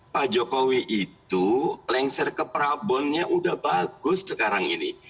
pak jokowi itu lengser ke prabowonya udah bagus sekarang ini